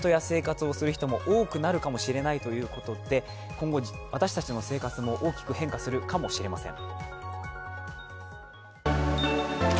今後、私たちの生活も大きく変化するかもしれません。